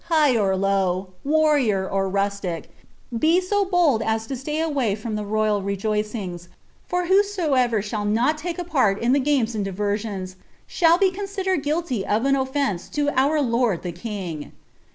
129 1 hieti or \ow, iTBrrior or rnstin, lie §o boiil as lo slay away from the royd rrjaieiogB; for whenever shall not lake n part in the games and diwer roRs. thall he considered fuiliy of an offence lo our lord the king.'"